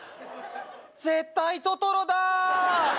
絶対トトロだ！